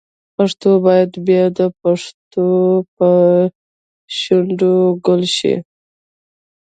پښتو باید بیا د پښتنو په شونډو ګل شي.